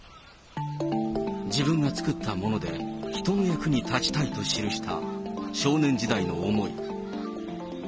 自分が作ったもので人の役に立ちたいと記した少年時代の思い。